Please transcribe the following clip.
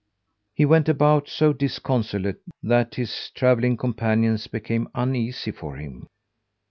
He went about so disconsolate that his travelling companions became uneasy for him.